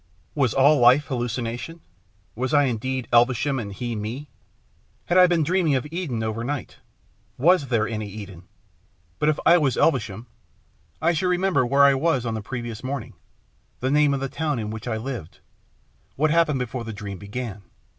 Was all life halluci nation ? Was I indeed Elvesham, and he me ? Had I been dreaming of Eden overnight? Was there any Eden ? But if I was Elvesham, I should remember where I was on the previous morning, the name of the town in which I lived, what happened before the dream began.